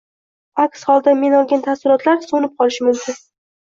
Aks holda men olgan taassurotlar so‘nib qolishi mumkin.